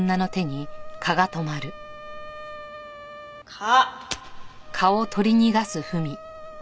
蚊。